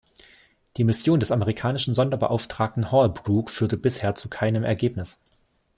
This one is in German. Die Mission des amerikanischen Sonderbeauftragten Holbrooke führte bisher zu keinem Ergebnis.